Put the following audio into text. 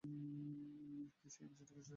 সে এই বিষয়ে কিছুই জানে না।